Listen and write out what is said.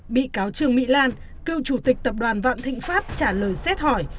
bị cáo trương mỹ lan cựu chủ tịch tập đoàn vạn thịnh pháp trả lời xét hỏi